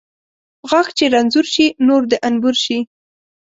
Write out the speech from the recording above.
غاښ چې رنځور شي ، نور د انبور شي .